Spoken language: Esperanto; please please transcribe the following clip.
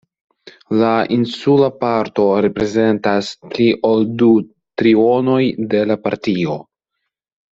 La insula parto reprezentas pli ol du trionoj de la partio.